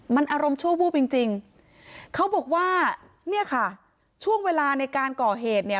มันอารมณ์ชั่ววูบจริงจริงเขาบอกว่าเนี่ยค่ะช่วงเวลาในการก่อเหตุเนี่ย